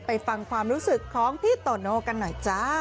ไปฟังความรู้สึกของพี่โตโน่กันหน่อยจ้า